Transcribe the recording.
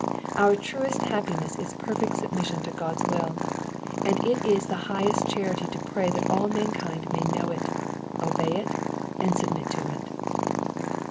Our truest hap piness is perfect submission to God's will, and it is the highest charity to pray that aU mankind may know it, obey it, and submit to it.